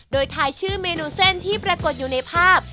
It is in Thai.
โดยทายชื่อเมนูเส้นที่ปรากฏอยู่ในภาพ